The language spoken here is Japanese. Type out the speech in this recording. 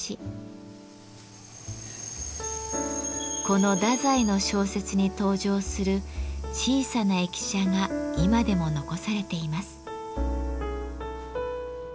この太宰の小説に登場する小さな駅舎が今でも残されています。